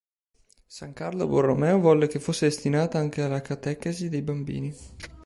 San Carlo Borromeo volle che fosse destinata anche alla catechesi dei bambini.